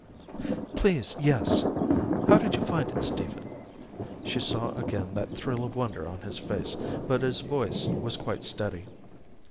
"Please, yes. How did you find it, Stephen?" She saw again that thrill of wonder on his face, but his voice was quite steady.